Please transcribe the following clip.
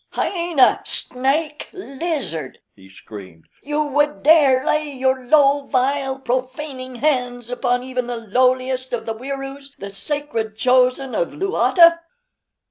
"Hyena, snake, lizard!" he screamed. "You would dare lay your low, vile, profaning hands upon even the lowliest of the Wieroos the sacred chosen of Luata!"